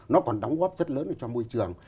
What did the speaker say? nó còn đóng góp rất lớn cho môi trường